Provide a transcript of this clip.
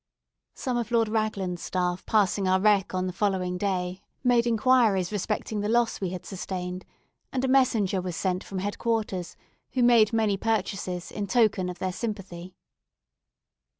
Some of Lord Raglan's staff passing our wreck on the following day, made inquiries respecting the loss we had sustained, and a messenger was sent from head quarters, who made many purchases, in token of their sympathy.